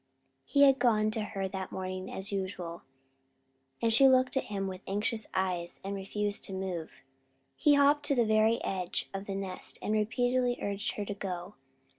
He had gone to her that morning as usual, and she looked at him with anxious eyes and refused to move. He had hopped to the very edge of the nest and repeatedly urged her to go.